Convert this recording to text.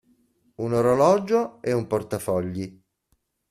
Un orologio e un portafogli.